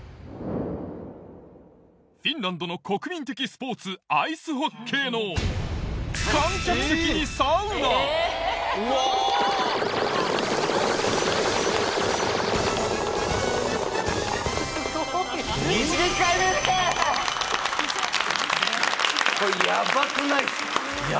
フィンランドの国民的スポーツアイスホッケーのこれヤバくないですか？